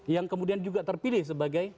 yang kemudian juga terpilih sebagai